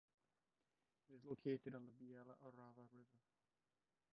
It is located on the Biela Orava river.